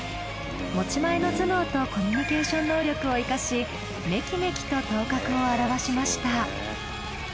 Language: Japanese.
持ち前の頭脳とコミュニケーション能力を活かしめきめきと頭角を現しました。